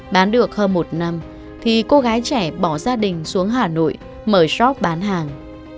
bán được hơn một năm thì cô gái trẻ bỏ gia đình xuống hà nội mở shop bán hàng